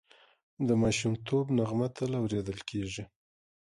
د ماشومتوب نغمه تل اورېدل کېږي